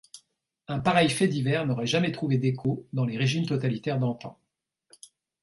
Un pareil fait divers n’aurait jamais trouvé d'écho dans les régimes totalitaires d’antan.